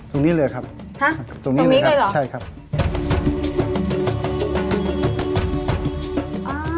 ตรงนี้เลยครับตรงนี้เลยครับใช่ครับตรงนี้เลยครับตรงนี้เลยครับ